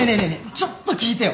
ちょっと聞いてよ！